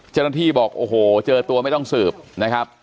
เจ้าหน้าที่บอกโอ้โหเจอตัวไม่ต้องสืบนะครับ